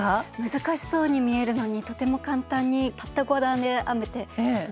難しそうに見えるのにとても簡単にたった５段で編めてとってもうれしかったです。